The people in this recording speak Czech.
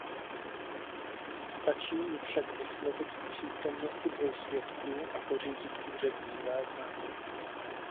Stačí ji však vyslovit v přítomnosti dvou svědků a pořídit úřední záznam.